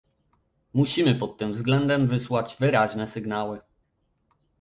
Musimy pod tym względem wysłać wyraźne sygnały